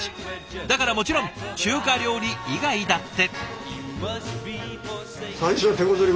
だからもちろん中華料理以外だって。